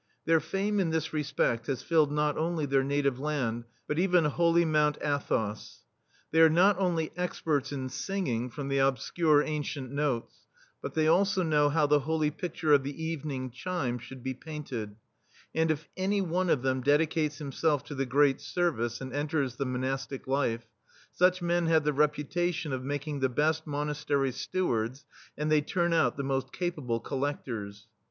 Their fame in this respedt has filled not only their native land, but even holy Mount Athos. They are not only experts at singing from the obscure ancient notes, but they also know how the holy pidture of "the evening chime" should be painted ; and if any one of them dedi cates himself to the great service and enters the monastic life, such men have the reputation of making the best Monastery stewards, and they turn out the most capable coUedtors.